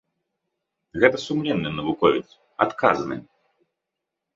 Гэта сумленны навуковец, адказны.